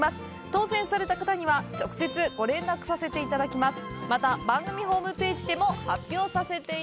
当せんされた方には直接、ご連絡させていただきます。